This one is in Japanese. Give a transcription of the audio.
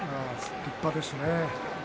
立派ですね。